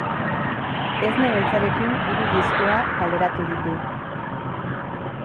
Esne Beltzarekin hiru diskoa kaleratu ditu.